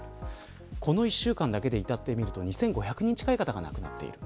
この１週間だけで２５００人近い方が亡くなっている。